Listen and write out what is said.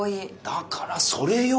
だからそれ用。